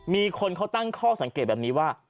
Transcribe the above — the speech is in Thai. มีคนเขาตั้งข้อสังเกตแบบนี้ว่า